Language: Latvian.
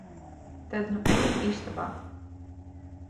Tad nu ejam istabā.